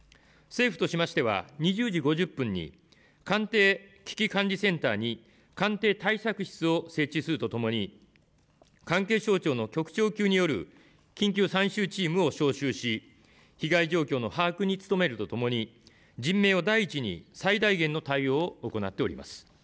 政府としましては２０時５０分に官邸危機管理センターに官邸対策室を設置するとともに、関係省庁の局長級による緊急参集チームを招集し、被害状況の把握に努めるとともに人命を第一に、最大限の対応を行っております。